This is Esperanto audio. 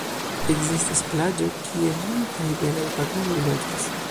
Ekzistas plaĝo kie multaj belaj paguroj loĝas.